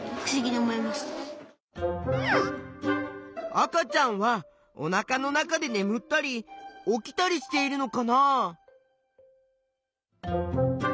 赤ちゃんはおなかの中でねむったり起きたりしているのかな？